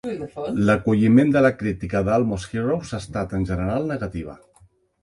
L'acolliment de la crítica de "Almost Heroes" ha estat, en general, negativa.